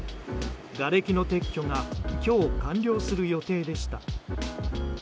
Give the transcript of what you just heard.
がれきの撤去が今日完了する予定でした。